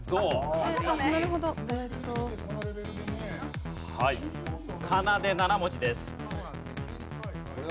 はいかなで７文字です。